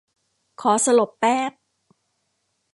ขอสลบแป๊บ